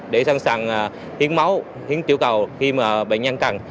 để sẵn sàng hiến máu hiến tiểu cầu khi bệnh nhanh càng